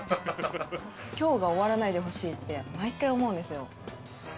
今日が終わらないでほしいって毎回思うんですよ。